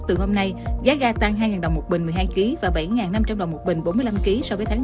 từ hôm nay giá ga tăng hai đồng một bình một mươi hai kg và bảy năm trăm linh đồng một bình bốn mươi năm kg so với tháng chín